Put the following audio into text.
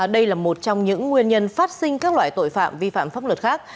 đây là một trong những nguyên nhân phát sinh các loại tội phạm vi phạm pháp luật khác